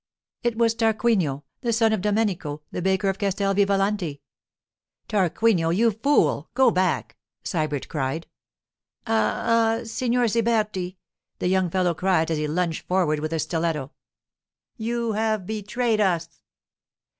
It was Tarquinio, the son of Domenico, the baker of Castel Vivalanti. 'Tarquinio! You fool! Go back,' Sybert cried. 'Ah h—Signor Siberti!' the young fellow cried as he lunged forward with a stiletto. 'You have betrayed us!